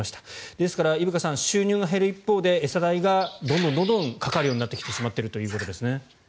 ですから、伊深さん収入が減る一方で餌代がどんどんかかるようになってきてしまっているということですね。